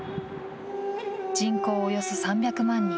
人口およそ３００万人。